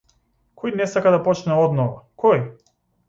Кој не сака да почне одново, кој?